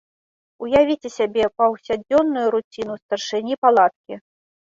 Уявіце сябе паўсядзённую руціну старшыні палаткі.